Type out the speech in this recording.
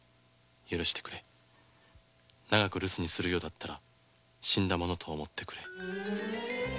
許してくれ」「長く留守をするようなら死んだものと思ってくれ」